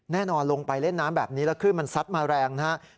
แน่นอนลงไปเล่นน้ำแบบนี้แล้วขึ้นมันซัดมาแรงนะครับ